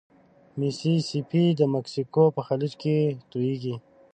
ميسي سي پي د مکسیکو په خلیج توییږي.